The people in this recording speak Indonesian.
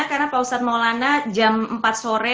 karena pak ustadz maulana jam empat sore